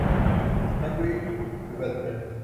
نہ کوئی ڈویلپمنٹ۔